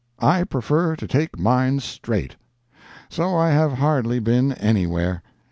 I prefer to take mine "straight." So I have hardly been anywhere.